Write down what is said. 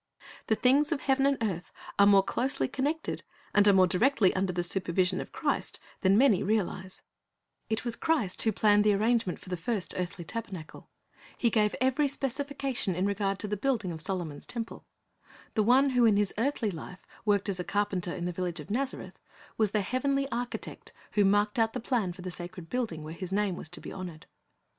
The things of heaven and earth are more closely connected, and are more directly under the supervision of Christ, than many realize. 1 1 Cor. 6 : 19, 20 Tale n t s 349 It was Christ who planned the arrangement for the first earthly tabernacle. He gave every specification in regard to the building of Solomon's temple. The One who in His earthly life worked as a carpenter in the village of Nazareth was the heavenly architect who marked out the plan for the sacred building where His name was to be honored.